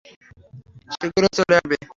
শীঘ্রই চলে আসবে।